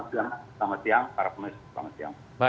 selamat siang pak arman hanis selamat siang